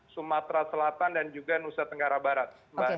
sumatera selatan dan juga nusa tenggara barat